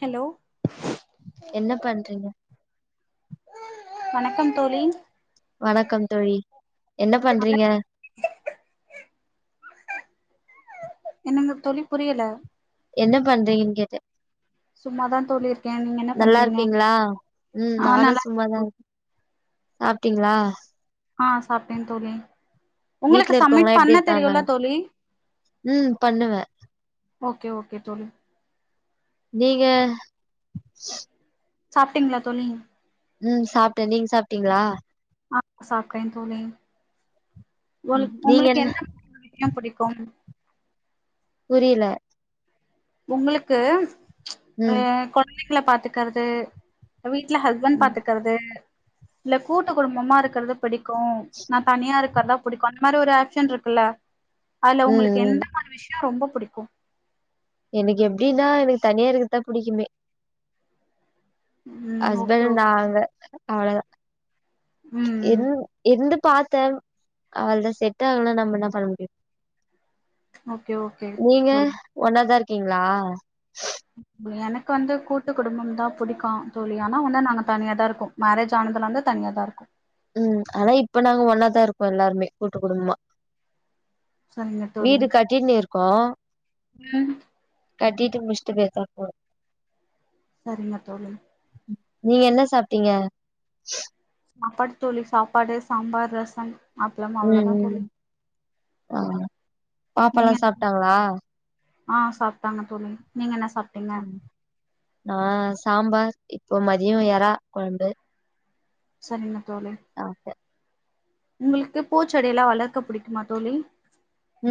Hello என்ன பண்றீங்க வணக்கம் தோழி வணக்கம் தோழி என்ன பண்றீங்க என்னங்க தோழி புரியல என்ன பண்றீங்கன் கேட்ட சும்மாதா தோழி இருக்கே நீங்க என்ன நல்லா பண்றீங்க இருக்கீங்ளா ம் ஆ நானு நல்லா சும்மாதா இருக்க சாப்டீங்ளா ஆ சாப்டே தோழி உங்களுக்கு வீட்ல சமய இருக்கவங்களா எப்டி பண்ண இருக்காங்க தெரியுல தோழி ம் பண்ணுவே ஓகே ஓகே தோழி நீங்க சாப்டீங்ளா தோழி ம் சாப்ட நீங் சாப்டீங்ளா ஆ சாப்டே தோழி உ உங்களுக்கு என்ன [inaudible] என்ன புடிக்கு புரியல உங்களுக்கு ஆ ம் கொழந்தைகள பாத்துக்கறது வீட்ல ஹஸ்பண்ட் ம் பாத்துக்கறது இல்ல கூட்டு குடும்பமா இருக்கறது பிடிக்கு நா தனியா இருக்கறதா புடிக்கு அந்த மாரி ஒரு ஆப்ஷன் இருக்குல்ல அதுல ம் உங்களுக்கு ம். எந்த மாரி விஷ்யோ ரொம்ப புடிக்கு எனக்கு எப்டின்னா எனக்கு தனியா இருக்கதா புடிக்குமே ம் ஓகே ஹஸ்பண்ட் ஓகே நாங்க அவ்ளதா ம் இருந் இருந்து பாத்தே அவளதா செட் ஆகல நம்ப என்ன பண்ண முடியு ஓகே ஓகே நீங்க தோழி ஒன்னாதா இருக்கீங்ளா எனக்கு வந்து கூட்டு குடும்பம் தா புடிக்கு தோழி ஆனா வந்து நாங்க தனியாதா இருக்கோ மேரேஜ் ஆனதுல இருந்து தனியாதா இருக்கோ ம் ஆனா இப்ப நாங்க ஒன்னாதா இருக்கோ எல்லாருமே கூட்டு குடும்பமா சரிங்க தோழி வீடு கட்டின்னு இருக்கோ ம் கட்டிட்டு முடிச்டு பேசாம போனு சரிங்க தோழி நீங்க என்ன சாப்டீங்க சாப்பாடு தோழி சாப்பாடு சாம்பார் ரசம் அப்ளம் ம் அவ்ளதா தோழி ம் ஆ பாப்பால்லா நீங்க என்ன சாப்ட்டாங்களா ஆ சாப்டாங்க தோழி நீங்க என்ன சாப் நா சாம்பார் இப்போ மதியோ எறா கொழம்பு சரிங்க தோழி சாப்டே உங்களுக்கு பூச்செடில்லா வளர்க்க புடிக்குமா தோழி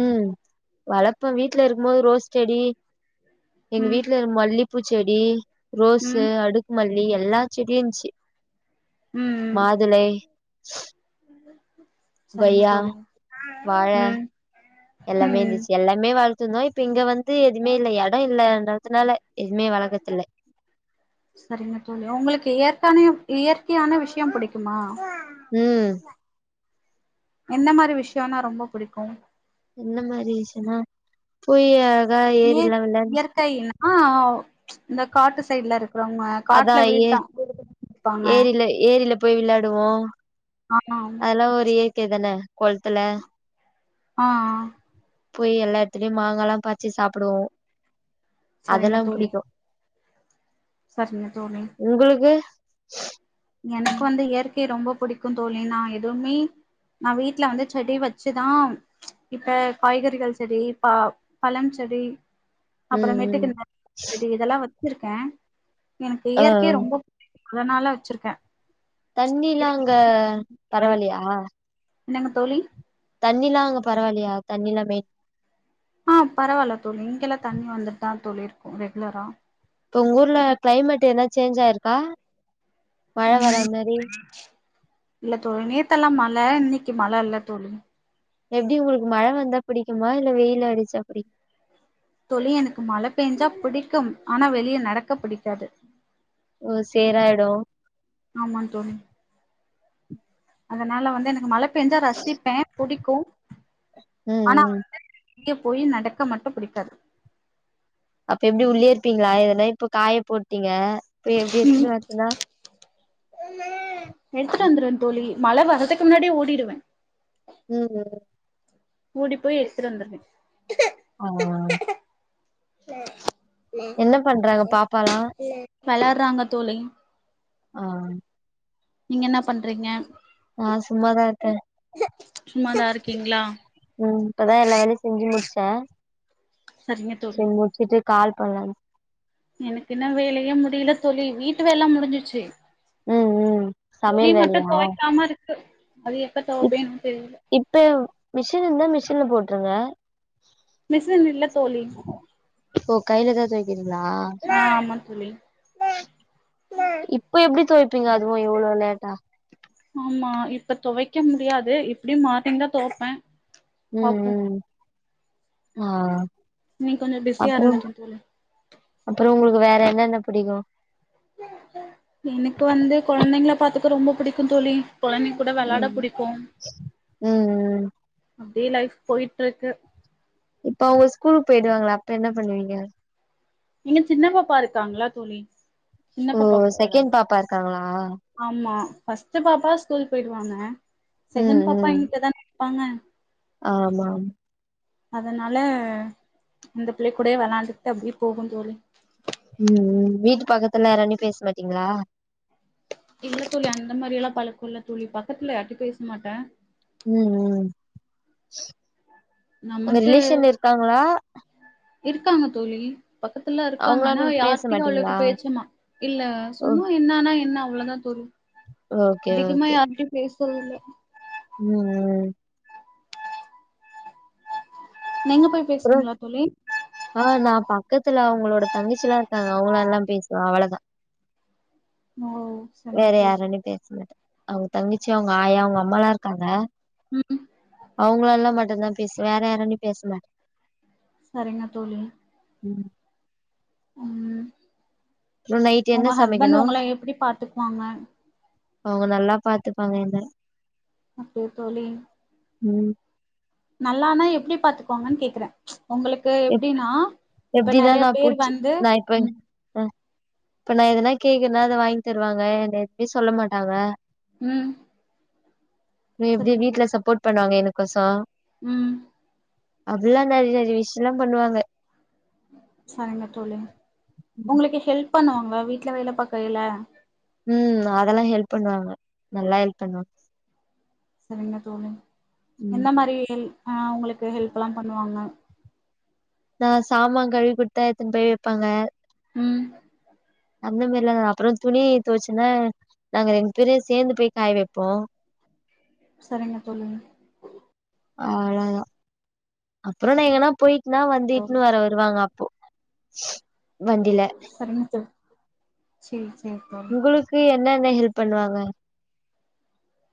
ம் வளப்பே வீட்ல இருக்கும்போது ரோஸ் செடி எங்க ம் வீட்ல இரு மல்லிப்பூ செடி ரோஸ் ம் அடுக்கு மல்லி எல்லா செடியு இருந்ச்சி ம் ம் மாதுளை சரிங்க கொய்யா தோழி வாழ ம் எல்லாமே ம் இருந்துச்சு எல்லாமே வளத் துருந்தோ இப்ப இங்க வந்து எதுமே இல்ல எடோ இல்லன்றதுனால எதுமே வளக்கர்தில்ல சரிங்க தோழி உங்களுக்கு இயற்கான இயற்கையான விஷ்யோ புடிக்குமா ம் எந்த மாரி விஷ்யோன்னா ரொம்ப புடிக்கு என்ன மாரி விஷ்யோன்னா போய் அழகா ஏறில்லா விளாண் கைனா இந்த காட்டு சைட்ல இருக்குறவங்க அதா ஏ ஏரில ஏரில போய் விளாடுவோ ஆ ஆ அதெல்லா ஒரு இயற்கை தான கொள்த்துல ஆ ஆ போய் எல்லா எடத்துலயு மாங்கால்லா பறிச்சு சாப்டுவோ சரிங்க அதெல்லா தோழி புடிக்கு சரிங்க தோழி உங்களுக்கு எனக்கு வந்து இயற்கை ரொம்ப புடிக்கு தோழி நா எதுவுமே நா வீட்ல வந்து செடி வச்சுதா இப்ப காய்கறிகள் செடி பா பழம் செடி ம் ம் அப்பறமேட்டுக்கு நெ செடி இதெல்லா வச்சிருக்கே எனக்கு ஆ இயற்கை ரொம்ப அதனால வச்சுருக்கே தண்ணிலா அங்க பரவால்லியா என்னங்க தோழி தண்ணில்லா அங்க பரவால்லியா தண்ணில்லா மே ஆ பரவால்ல தோழி இங்கல்லா தண்ணி வந்துட்டு தா தோழி இருக்கு ரெகுலரா இப்ப உங்க ஊர்ல கிளைமேட் எதனா சேஞ்ச் ஆயிருக்கா மழ வர ம் மேரி இல்ல தோழி நேத்தெல்லா மழ இன்னைக்கு மழ இல்ல தோழி எப்டி உங்களுக்கு மழ வந்தா பிடிக்குமா இல்ல வெயில் அடிச்சா பிடிக் தோழி எனக்கு மழ பேஞ்சா பிடிக்கும் ஆனா வெளிய நடக்க பிடிக்காது ஓ சேராயிடு ஆமா தோழி அதனால வந்து எனக்கு மழ பேஞ்சா ரசிப்பே புடிக்கு ம் ஆனா ம் வந்து வெளிய போய் நடக்க மட்டு புடிக்காது அப்ப எப்டி உள்ளயே இருப்பீங்களா எதனா இப்ப காய போட்டீங்க இப்ப எப்டி எத்துன்னு வரதுனா எடுத்துட்டு வந்துருவ தோழி மழ வரதுக்கு முன்னாடியே ஓடிடுவ ம் ஓடி போய் எடுத்துட்டு வந்துருவே ஆ உம் என்ன பண்றாங்க உம் பாப்பாலா வெளாட்றாங்க தோழி ஆ நீங்க என்ன பண்றீங்க நா சும்மாதா இருக்க சும்மாதா இருக்கீங்களா ம் இப்பதா எல்லா வேலையு செஞ்சு முடிச்ச சரிங்க தோழி சேரி முடிச்சிட்டு கால் பண்லானு எனக்கு இன்னு வேலையே முடியில தோழி வீட்டு வேலல்லா முடிஞ்சுச்சு ம் ம் துணி சமையல் மட்டு வேலையா தொவைக்காம இருக்கு அது எப்ப இப் தொவைப்பேனோ தெரில இப்ப மிஷின் இருந்தா மிஷின்ல போட்ருங்க மிஷின் இல்ல தோழி ஓ கைலதா தொவைக்கிறிங்களா ஆமா தோழி இப்ப எப்டி தொவைப்பீங்க அதுவு இவ்வள லேட்டா ஆமா இப்ப தொவைக்க முடியாது எப்டியு மார்னிங்தா தொவப்பே ம் பாப்போ ம் ஆ இன்னைக்கு கொஞ்சோ பிஸியா அப்றம் இருந்துட்டே தோழி அப்பற உங்களுக்கு வேற என்னென்ன புடிக்கு எனக்கு வந்து கொழந்தைங்கள பாத்துக்க ரொம்ப புடிக்கு தோழி கொழந்தைங் கூட வெளாட ம் புடிக்கு ம் ம் அப்டியே லைஃப் போய்ட்ருக்கு இப்ப அவுங்க ஸ்கூலுக்கு போய்டுவாங்கல்ல அப்ப என்ன பண்ணுவீங்க எங்க சின்ன பாப்பா இருக்காங்கல்ல தோழி சின்ன ஓ பாப்பா கூட செகண்ட் வெளாடு பாப்பா இருக்காங்களா ஆமா ஃபஸ்ட்டு பாப்பா ஸ்கூல் போய்ருவாங்க செகண்ட் ம் பாப்பா ம் எங்கிட்ட தான இருப்பாங்க ஆமா அதனால அந்த பிள்ளை கூடயே வெளாண்டுட்டு அப்டியே போகும் தோழி ம் ம் வீட்டுப் பக்கத்துல யாரான்டையு பேச மாட்டீங்களா இல்ல தோழி அந்த மாரில்லா பழக்க இல்ல தோழி பக்கத்துல யார்ட்டையு பேச மாட்ட ம் ம் உங்க நமக்கு ரிலேஷன் இருக்காங்ளா இருக்காங்க தோழி பக்கத்துல இருக்காங்க ஆனா அவங்களாண்ட பேச யாரிட்டயு அவ்ளவுக்கு மாட்டீங்களா பேச்சமா இல்ல ஓ சும்மா இரு என்னனா என்ன அவ்ளதா தோழி ஓகே அதிகமா ஓகே யார்கிட்டயு பேசறதில்ல ம் ம் நீங்க போய் பேசுவீங்களா தோழி அ நான் பக்கத்துல அவங்களோட தங்கச்சில்லா இருக்காங்க அவங்களல்லா பேசுவ அவ்ளதா நௌ வேற யாரன்டையும் பேச மாட்ட அவங்க தங்கச்சி அவங்க ஆயா அவங்க அம்மாலா இருக்காங்க ம். அவங்களல்ல மட்டும்தா பேசுவே வேற யாரான்டையு பேச மாட்ட சரிங்க தோழி ம் ம். அப்றோ நைட் உங்க என்ன ஹஸ்பண்ட் சமைக்கணு உங்கள எப்டி பாத்துப்பாங்க அவங்க நல்லா பாத்துப்பாங்க என்ன அப்டியா தோழி ம் நல்லானா எப்டி பாத்துக்குவாங்கன் கேக்குற உங்களுக் கு எப் எப்டின்னா இப்ப எப்டின்னா நறைய நா பேர் புட்ச்சு வந்து நா இப்ப அ இப்ப நா எதனா கேக்குறனா அத வாங்கி தருவாங்க என்ன எதுவுமே சொல்ல மாட்டாங்க ம் மே பி சரிங்க வீட்ல தோழி. சப்போர்ட் பண்ணுவாங்க எனக்கோச ம் அதெல்லா நறைய நறைய விஷயல்லா பண்ணுவாங்க சரிங்க தோழி உங்களுக்கு ஹெல்ப் பண்ணுவாங்கள வீட்ல வேல பாக்கைல ம் அதெல்லா ஹெல்ப் பண்ணுவாங்க நல்லா ஹெல்ப் பண்ணுவாங்க சரிங்க தோழி ம் எந்த மாரி ஹெல் அ உங்களுக்கு ஹெல்ப்ல்லா பண்ணுவாங்க நான் சாமான் கழுவி குடுத்தா எடுத்துன்னு போய் வப்பாங்க ம் அந்த மாரிலா அப்ற துணி துவச்சன்னா நாங்க ரெண்டு பேரு சேர்ந்து போய் காய வப்போ சரிங்க தோழி அவ்ளோ தா அப்ற நா எங்கனா போய்ட்னா வந்து தோழி இட்டுனு வர வாங்க அப்போ வண்டில சரிங்க தோழி சரி சரி தோழி க்கு என்ன என்ன ஹெல்ப் பண்ணுவாங்க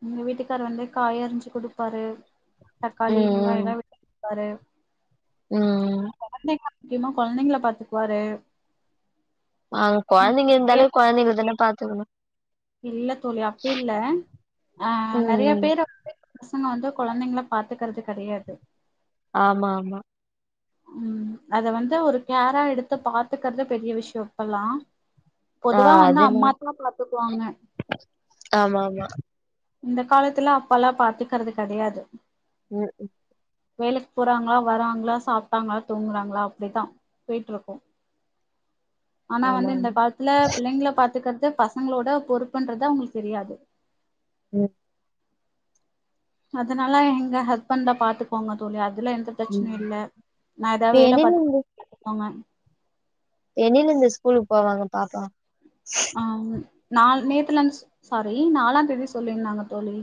உங்க வீட்டுக்காரு வந்து காய் அரிஞ்சு குடுப்பாரு ம் தக்காளி வெங்காய எல்லா வெட்டி குடுப்பாரு ம் கொழந்தைங்க முக்கியமா கொழந்தைங்கள பாத்துக்குவாரு ஆங் கொழந்தைங்க இருந்தாலே கொழந்தைங்கல தான பாத்துக்கணு இல்ல தோழி அப்டி இல்ல அ ம் நறைய ம் பேர் வந்து பசங்க வந்து கொழந்தைங்கள பாத்துக்கிறது கெடையாது ஆமா ஆமா ம் அத வந்து ஒரு கேரா எடுத்து பாத்துக்கறது பெரிய விஷய இப்பல்லா ஆ பொதுவா வந்து அது என்னமோ அம்மாதா பாத்துக்குவாங்க ஆமா ஆமா இந்த காலத்துல அப்பால்லா பாத்துக்கறது கெடையாது ம் வேலைக் போறாங்ளா வராங்ளா சாப்ட்டாங்ளா தூங்குறாங்ளா அப்டி தா போய்ட்ருக்கூ ஆனா ஆமா வந்து இந்த ஆமா காலத்துல பிள்ளைங்கள பாத்துக்கற்து பசங்களோட பொறுப்புண்றத அவுங்களுக்கு தெரியாது ம் அதனால எங்க ஹஸ்பண்ட்தா பாத்துக்குவாங்க தோழி அதுல எந்த பிரச்சன ம் இல்ல நா ஏதாவ இப்ப வேல பாத் எண்ணிலருந்து கொங்க என்னெயிலந்து ஸ்கூலுக் போவாங்க பாப்பா அவ்ங்கு நாள் நேத்துலந்து ஸ் சாரி நாலாந் தேதி சொல்லிர்ந்தாங்க தோழி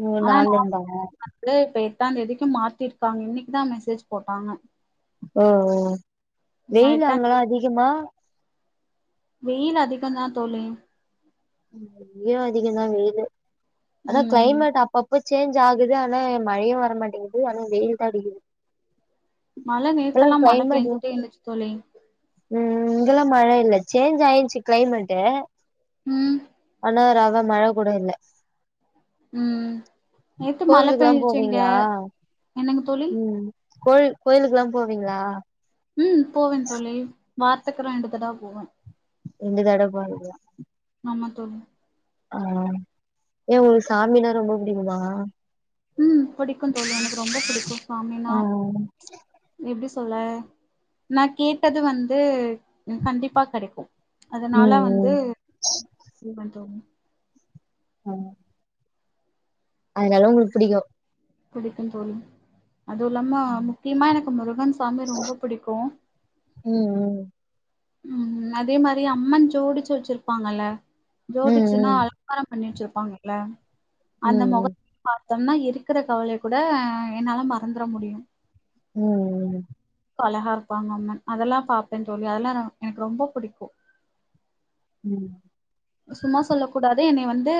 ஓ நால்லந்தாங்க ப்ளே இப்ப எட்டாந்தேதிக்கு மாத்திருக்காங்க இன்னைக்குதா மெசேஜ் போட்டாங்க ஓஓ நா வெயில் எட்டாந் தேதி அங்களா அதிகமா வெயில் அதிகந்தா தோழி இங்கயு அதிகந்தா வெயிலு அனா ம் க்ளைமேட் அப் அப்பப்ப சேஞ்ச் ஆகுது ஆனா மழையு வரமாட்டேங்குது ஆனா வெயில் தா அடிக்குது மழ இப்பல்லா நேத்தெல்லா மழ கிளைமேட் பேஞ்சுட்டே இருந்துச்சி தோழி ம் இங்கெல்லாம் மழ இல்ல சேஞ்ச் ஆயிர்ச்சி க்ளைமேட்டு் ம் ஆனா ரவ மழ கூட இல்ல ம் நேத்து மழ கோவிலுக்குல்லா பெஞ்சுச்சு இங்க போவீங்ளா என்னங்க தோழி ம் கோழி கோயில்க்குல்லாம் போவிங்ளா ம் போவேன் தோழி வாரத்க்கு ரெண்டு தடவ போவே ரெண்டு தடவ போவிங்ளா ஆமா தோழி ஆ ஏ உங்களுக்கு சாமினா ரொம்ப புடிக்குமா ம் பிடிக்குந் தோழி எனக்கு ரொம்ப புடிக்கூ சாமினா ம் எப்டி சொல் சொல்ல நா கேட்டது வந்து கண்டிப்பா கெடைக்கூ அதனால வந்து ம் இது கொஞ்சோ அ அதனால உங்குளுக்கு புடிக்கூ புடிக்குந் தோழி அதுவு இல்லாம முக்கியமா எனக்கு முருகன் சாமி ரொம்ப புடிக்கூ ம் ம் ம் அதே மாரி அம்மன் ஜோடிச்சு வச்சிருப்பாங்கல்ல ம் ஜோடிச்சுன்னா ம் அலங்காரம் பண்ணி வச்சிருப்பாங்கல்ல அந்த ம் மொகத்த பாத்தோம்னா இருக்குற கவலைய கூட என்னால மறந்துட முடியு ம்ம் அழகா இருப்பாங்க அம்மன் அதெல்லாம் பாப்பேன் தோழி அதெல்லா நா எனக்கு ரொம்ப புடிக்கும் ம் சும்மா சொல்லக் கூடாது என்னய வந்து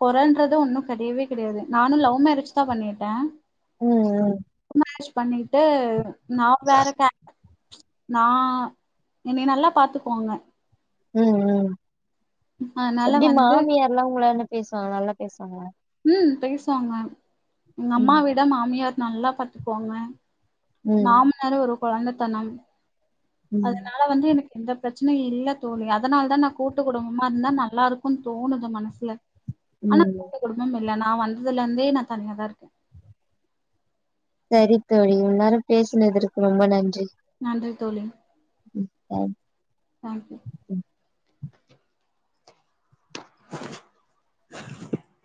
கொறன்றது ஒன்னும் கெடையவே கெடையாது நானு லவ் மேரேஜ் தா பண்ணிகிட்டே ம் ம் லவ் மேரேஜ் பண்ணிகிட்டு நா வேற கே நா என்னிய நல்லா பாத்துக்குவாங்க ம் ம் அதனால எப்டி வந்து மாமியார்ல்லா உங்களான்ட பேசுவாங்களா நல்லா பேசுவாங்களா ம் பேசுவாங்க எங்க அம்மா ம் விட மாமியார் நல்லா பாத்துக்குவாங்க ம் மாமனாரு ஒரு கொழந்தத்தனம் ம் அதனால ட வந்து எனக்கு எந்த பிரச்னையு இல்ல தோழி அதனால்தா நா கூட்டு குடும்பமா இந்தா நல்லாருக்குன் தோணுது மனசுல. ஆனா ம். கூட்டு குடும்பம் இல்ல நா வந்ததுலந்தே நா தனியாதாருக்கே. சரி தோழி இவ்ள் நேரோ பேசுனதற்க் ரொம்ப நன்றி. நன்றி தோழி. ம்ஹு பேண் தேங்க் யூ. [inaudible]